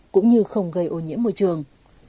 cũng như không gây ô nhiễm môi trường